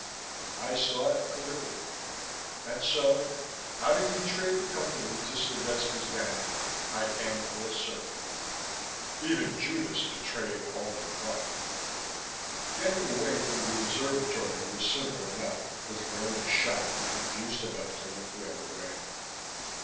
I saw it clearly. And so, having betrayed the Company to Slovetski's gang, I came full circle. Even Judas betrayed only One. Getting away from the Observatory was simple enough, with Rena shocked and confused enough to look the other way.